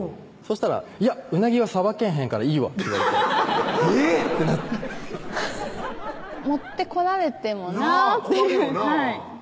したら「鰻はさばけへんからいいわ」って言われてえぇっ！ってなって持ってこられてもなぁっていう困るよなぁ